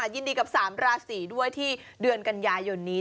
ยินดีกับ๓ราศีด้วยที่เดือนกันยายนนี้